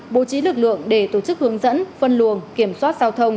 bố trí lực lượng để tổ chức hướng dẫn phân luồng kiểm soát giao thông